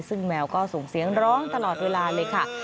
ซึ่งแมวก็ส่งเสียงร้องตลอดเวลาเลยค่ะ